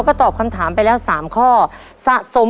๓นาทีแล้วก็ใช้ไป๓นาทีเป๊ะเลยครับ